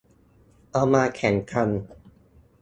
เอามาแข่งกัน